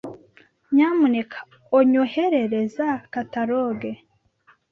Nyamuneka onyoherereza kataloge.